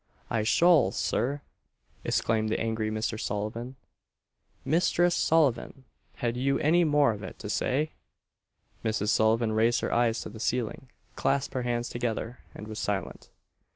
"I sholl, Sir!" exclaimed the angry Mr. Sullivan. "Misthress Sullivan, had you any more of it to say?" Mrs. Sullivan raised her eyes to the ceiling, clasped her hands together, and was silent.